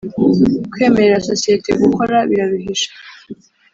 Kwemerera sosiyeti gukora biraruhije.